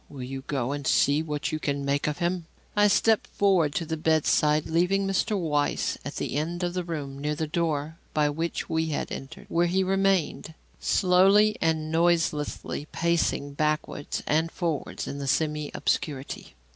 Will you go and see what you can make of him?" I stepped forward to the bedside, leaving Mr. Weiss at the end of the room near the door by which we had entered, where he remained, slowly and noiselessly pacing backwards and forwards in the semi obscurity.